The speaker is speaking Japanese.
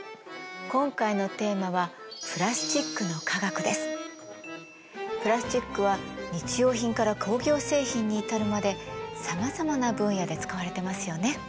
今回のテーマはプラスチックは日用品から工業製品に至るまでさまざまな分野で使われてますよね。